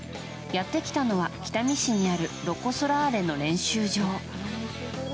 やってきたのは北見市にあるロコ・ソラーレの練習場。